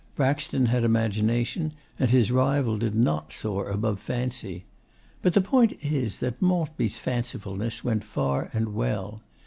Braxton had imagination, and his rival did not soar above fancy. But the point is that Maltby's fancifulness went far and well.